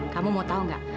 kamu mau tahu gak